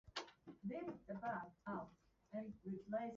セルジッペ州の州都はアラカジュである